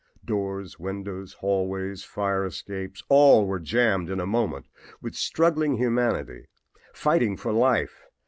Doors, windows, hallways, fire escapes all were jammed in a moment with struggling humanity, fighting for life.